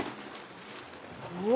うわ！